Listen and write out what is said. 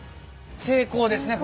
成功ですね？